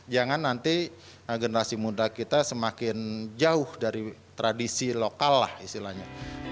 jangan nanti generasi muda kita semakin jauh dari tradisi lokal lah istilahnya